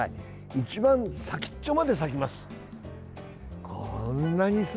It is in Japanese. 一番先っちょまで咲きます。